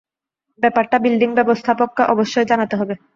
ব্যাপারটা বিল্ডিং ব্যবস্থাপককে অবশ্যই জানাতে হবে।